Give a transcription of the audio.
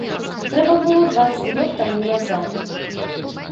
Трэба было дваццаць год таму назад!